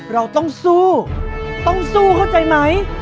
เราต้องสู้ต้องสู้เข้าใจไหม